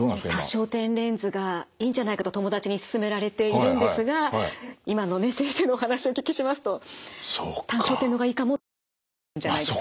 多焦点レンズがいいんじゃないかと友達にすすめられているんですが今のね先生のお話をお聞きしますと単焦点の方がいいかもって思ってるんじゃないですかね？